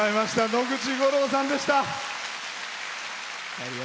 野口五郎さんでした。